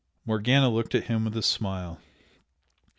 Morgana looked at him with a smile.